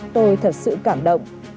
tôi thật sự cảm động